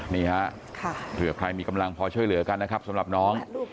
นี่ฮะเผื่อใครมีกำลังพอช่วยเหลือกันนะครับสำหรับน้อง